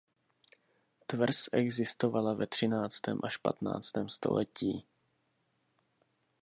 Tvrz existovala ve třináctém až patnáctém století.